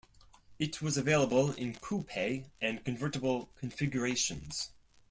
It was available in coupe and convertible configurations.